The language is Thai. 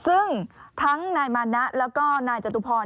ซึ่งทั้งนายมานะแล้วก็นายจตุพร